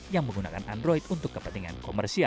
yang menggunakan android untuk kepentingan komersial